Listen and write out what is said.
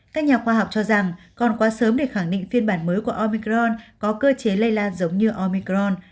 các nhà khoa học cho rằng còn quá sớm để khẳng định phiên bản mới của opicron có cơ chế lây lan giống như omicron